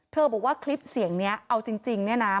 บอกว่าคลิปเสียงนี้เอาจริงเนี่ยนะ